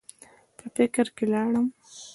پۀ فکر کښې لاړم ـ